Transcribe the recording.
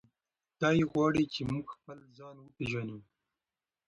دی غواړي چې موږ خپل ځان وپیژنو.